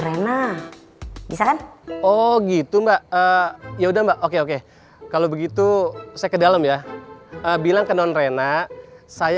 rena bisa kan oh gitu mbak ya udah mbak oke oke kalau begitu saya ke dalam ya bilang ke non rena saya